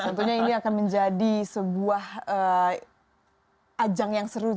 tentunya ini akan menjadi sebuah ajang yang seru